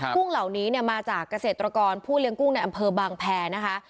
กุ้งเหล่านี้เนี่ยมาจากเกษตรกรผู้เลี้ยงกุ้งในอำเภอบางแพรนะคะ